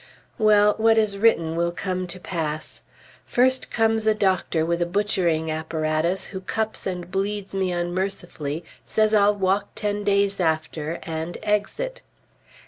Well, what is written will come to pass. First comes a doctor with a butchering apparatus who cups and bleeds me unmercifully, says I'll walk ten days after, and exit.